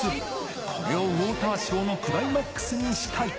これをウォーターショーのクライマックスにしたい。